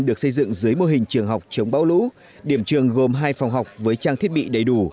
được xây dựng dưới mô hình trường học chống bão lũ điểm trường gồm hai phòng học với trang thiết bị đầy đủ